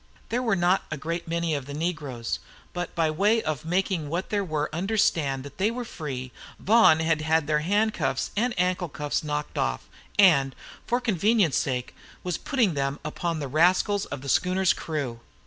There were not a great many of the negroes; but by way of making what there were understand that they were free, Vaughan had had their handcuffs and ankle cuffs knocked off, and, for convenience' sake, was putting them upon the rascals of the schooner's crew.